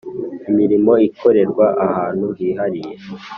imirimo ikorerwa ahantu hihariye